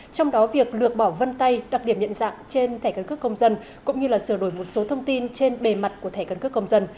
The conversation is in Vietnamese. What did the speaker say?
trong đó việc lược bỏ vân tay đặc điểm nhận dạng trên thẻ căn cước công dân cũng như sửa đổi một số thông tin trên bề mặt của thẻ căn cước công dân